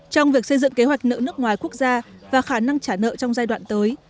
trong việc xây dựng kế hoạch nợ nước ngoài quốc gia và khả năng trả nợ trong giai đoạn tới